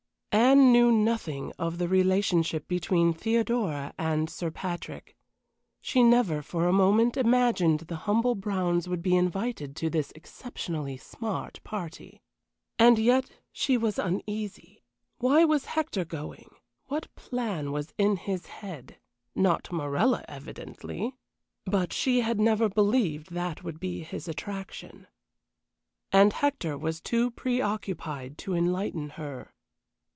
Anne knew nothing of the relationship between Theodora and Sir Patrick. She never for a moment imagined the humble Browns would be invited to this exceptionally smart party. And yet she was uneasy. Why was Hector going? What plan was in his head? Not Morella, evidently. But she had never believed that would be his attraction. And Hector was too preoccupied to enlighten her.